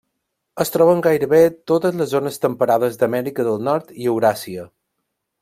Es troba en gairebé totes les zones temperades d'Amèrica del Nord i Euràsia.